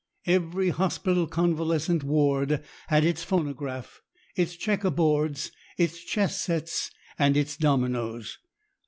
Every hospital convalescent ward had its phonograph, its checker boards, its chess sets, and its dominoes.